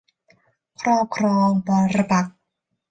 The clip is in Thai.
ครอบครองปรปักษ์